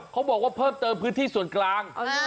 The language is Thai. เขาบอกว่าเพิ่มเติมพื้นที่ส่วนกลาง